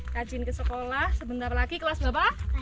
rajin ke sekolah sebentar lagi kelas bapak